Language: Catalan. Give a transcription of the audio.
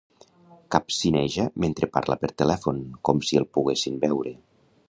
Capcineja mentre parla per telèfon, com si el poguessin veure.